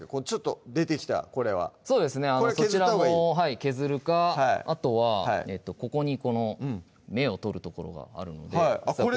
ちょっと出てきたこれはそうですねそちらも削るかあとはここにこの芽を取る所があるのであっ